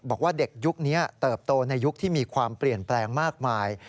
บอกว่าเด็กยุคนี้เติบโตในยุคที่มีความเปลี่ยนแปลงมากมาย